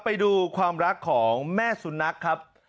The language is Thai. ไปดูความรักของแม่สุนัขครับ